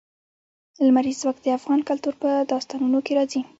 لمریز ځواک د افغان کلتور په داستانونو کې راځي.